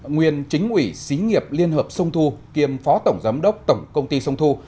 nguyên chính ủy xí nghiệp liên hợp sông thu kiêm phó tổng giám đốc tổng công ty sông thu